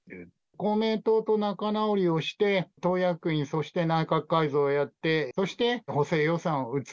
公明党と仲直りをして、党役員、そして内閣改造をやって、そして補正予算を打つ。